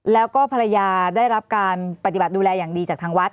แล้วก็ภรรยาได้รับการปฏิบัติดูแลอย่างดีจากทางวัด